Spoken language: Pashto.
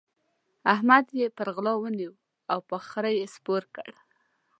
احمد يې پر غلا ونيو او پر خره يې سپور کړ.